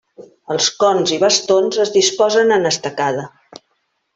Els cons i bastons es disposen en estacada.